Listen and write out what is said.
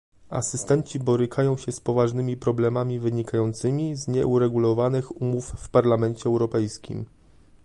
Asystenci borykają się z poważnymi problemami wynikającymi z nieuregulowanych umów w Parlamencie Europejskim